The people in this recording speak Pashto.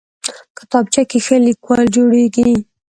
کتابچه کې ښه لیکوال جوړېږي